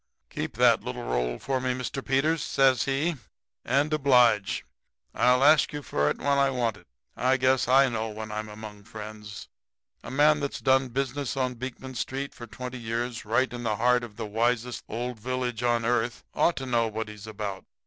"'Keep that little roll for me, Mr. Peters,' says he, 'and oblige. I'll ask you fer it when I want it. I guess I know when I'm among friends. A man that's done business on Beekman street for twenty years, right in the heart of the wisest old village on earth, ought to know what he's about.